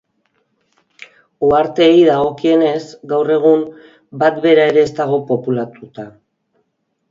Uharteei dagokienez, gaur egun bat bera ere ez dago populatuta.